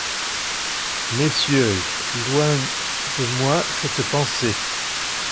Messieurs, loin de moi cette pensée…